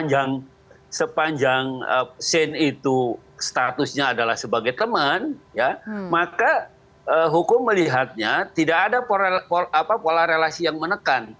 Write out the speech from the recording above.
yang sepanjang sin itu statusnya adalah sebagai teman maka hukum melihatnya tidak ada pola relasi yang menekan